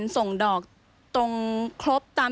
สวัสดีครับ